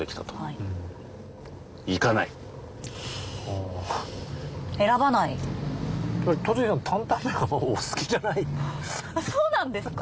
あっそうなんですか！？